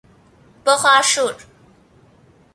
بخارشور